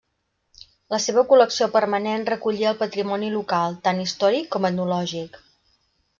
La seva col·lecció permanent recollia el patrimoni local, tant històric com etnològic.